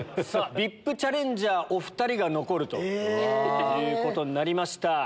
ＶＩＰチャレンジャーお２人が残るということになりました。